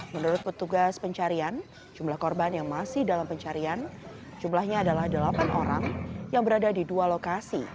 menurut petugas pencarian jumlah korban yang masih dalam pencarian jumlahnya adalah delapan orang yang berada di dua lokasi